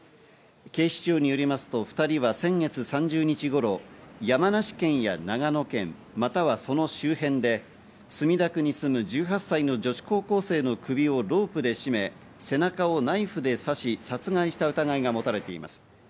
警視庁によりますと２人は先月３０日頃山梨県や長野県、またはその周辺で墨田区に住む１８歳の女子高校生の首をロープで絞め、背中をナイフで刺し殺害した疑いが持たれています。